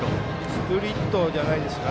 スプリットじゃないですか。